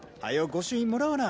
御朱印もらわな。